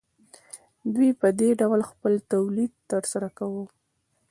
دوی په دې ډول خپل تولید ترسره کاوه